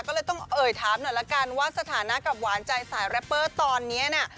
ก็เลยต้องเอ่ยถามหน่อยละกันว่าสถานะกับหวานใจสายแรปเปอร์ตอนนี้น่ะ